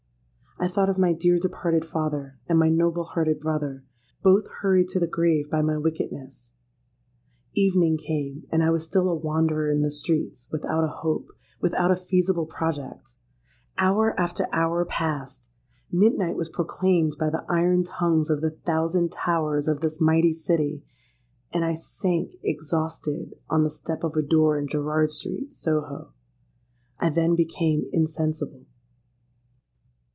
I thought of my dear departed father and my noble hearted brother—both hurried to the grave by my wickedness! Evening came—and I was still a wanderer in the streets, without a hope—without a feasible project! Hour after hour passed: midnight was proclaimed by the iron tongues of the thousand towers of this mighty city;—and I sank exhausted on the step of a door in Gerrard Street, Soho. I then became insensible.